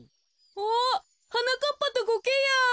おっはなかっぱとコケヤン。